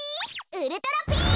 ウルトラピース！